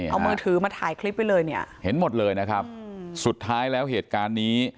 เอามือถือมาถ่ายคลิปไว้เลยเนี่ยเห็นหมดเลยนะครับสุดท้ายแล้วเหตุการณ์นี้